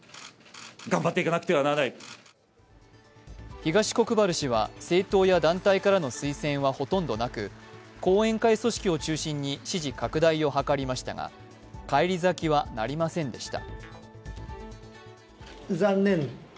東国原氏は政党や団体からの推薦はほとんどなく、後援会組織を中心に支持拡大を図りましたが返り咲きはなりませんでした。